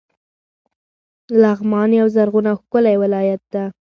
لغمان یو زرغون او ښکلی ولایت ده.